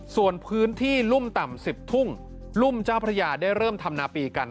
ส่วนพื้นที่รุ่มต่ำ๑๐ทุ่งรุ่มเจ้าพระยาได้เริ่มทำนาปีกัน